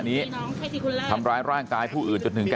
ลูกสาวหลายครั้งแล้วว่าไม่ได้คุยกับแจ๊บเลยลองฟังนะคะ